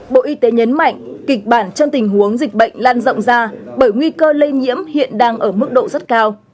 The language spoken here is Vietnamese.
bộ y tế nhấn mạnh kịch bản trong tình huống dịch bệnh lan rộng ra bởi nguy cơ lây nhiễm hiện đang ở mức độ rất cao